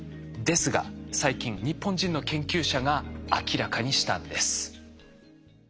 ですが最近日本人の研究者が明らかにしたんです。